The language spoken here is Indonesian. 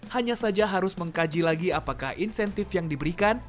hanya saja harus mengkaji lagi apakah insentif yang diberikan